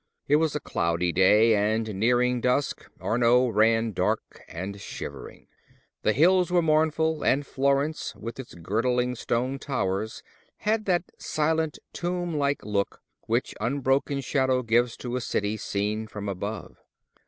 It was a cloudy day, and nearing dusk. Arno ran dark and shivering; the hills were mournful; and Florence with its girdling stone towers had that silent, tomb like look, which unbroken shadow gives to a city seen from above.